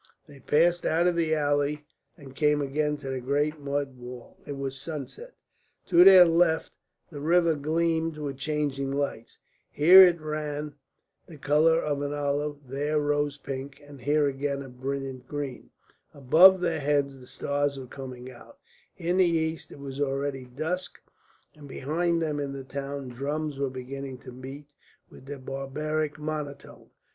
They passed out of the alley and came again to the great mud wall. It was sunset. To their left the river gleamed with changing lights here it ran the colour of an olive, there rose pink, and here again a brilliant green; above their heads the stars were coming out, in the east it was already dusk; and behind them in the town, drums were beginning to beat with their barbaric monotone.